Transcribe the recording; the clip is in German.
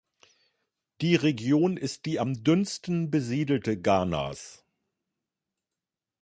Die Region ist die am dünnsten besiedelte Ghanas.